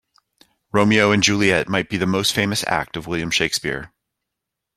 Romeo and Juliet might be the most famous act of William Shakespeare.